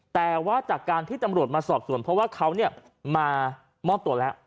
แต่ว่าจากการที่ตำรวจมาสอบส่วนเพราะว่าเขามามอบตัวแล้ว